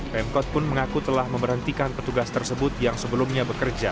pemkot pun mengaku telah memberhentikan petugas tersebut yang sebelumnya bekerja